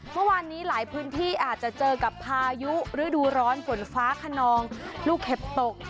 เมื่อวานนี้หลายพื้นที่อาจจะเจอกับพายุฤดูร้อนฝนฟ้าขนองลูกเห็บตก